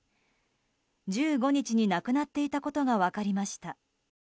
１５日に亡くなっていたことが分かりました。